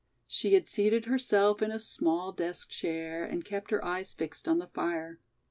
She had seated herself in a small desk chair and kept her eyes fixed on the fire.